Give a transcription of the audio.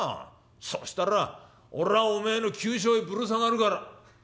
そしたら俺はお前の急所へぶる下がるから」。